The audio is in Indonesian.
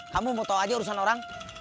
kamu mau tahu aja urusan orang